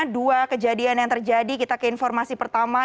dua kejadian yang terjadi kita ke informasi pertama